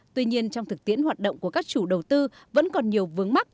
tuy nhiên trong thực tiễn hoạt động của các chủ đầu tư vẫn còn nhiều vướng mắt